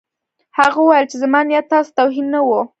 هغه وویل چې زما نیت تاسو ته توهین نه و